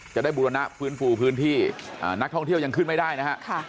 บูรณะฟื้นฟูพื้นที่นักท่องเที่ยวยังขึ้นไม่ได้นะฮะ